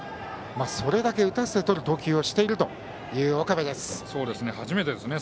それだけ打たせてとる投球をしている岡部です。